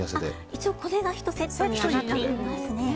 一応がこれが１セットになっています。